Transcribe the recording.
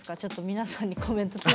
皆さんにコメントを。